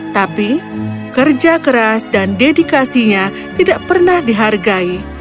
tapi kerja keras dan dedikasinya tidak pernah dihargai